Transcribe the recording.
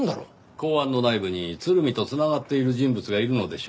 公安の内部に鶴見と繋がっている人物がいるのでしょう。